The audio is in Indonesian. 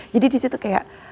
jadi di situ kayak